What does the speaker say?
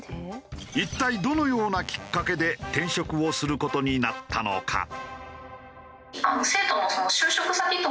一体どのようなきっかけで転職をする事になったのか？